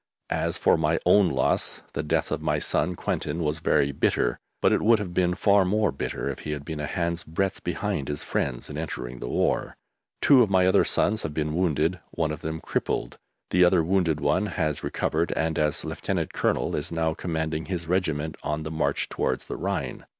As for my own loss, the death of my son Quentin was very bitter, but it would have been far more bitter if he had been a hand's breadth behind his friends in entering the war. Two of my other sons have been wounded, one of them crippled. The other wounded one has recovered, and as Lieutenant Colonel is now commanding his regiment on the march towards the Rhine.